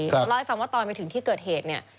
เราจะเล่าให้คุณฟังว่าตอนไปถึงที่เกิดเหตุ